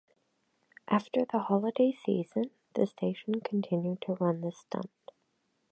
After the holiday season, the station continued to run the stunt.